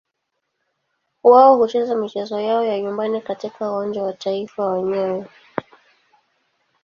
Wao hucheza michezo yao ya nyumbani katika Uwanja wa Taifa wa nyayo.